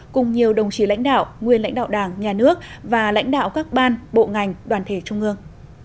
cùng nhiều đồng chí lãnh đạo nguyên lãnh đạo đảng nhà nước và lãnh đạo các ban bộ ngành đoàn thể trung ương